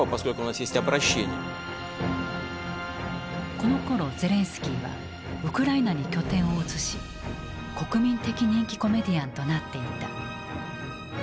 このころゼレンスキーはウクライナに拠点を移し国民的人気コメディアンとなっていた。